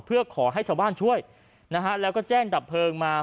เพื่อขอให้ชาวบ้านช่วยนะฮะแล้วก็แจ้งดับเพลิงมา